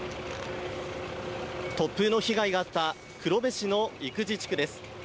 突風の被害があった、黒部市の生地地区です。